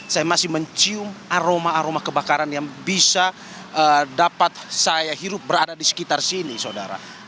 saya masih mencium aroma aroma kebakaran yang bisa dapat saya hirup berada di sekitar sini saudara